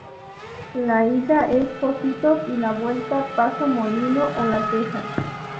La ida es Pocitos y la vuelta Paso Molino o La Teja.